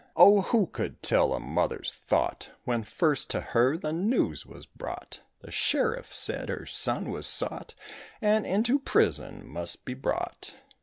Oh, who could tell a mother's thought When first to her the news was brought; The sheriff said her son was sought And into prison must be brought.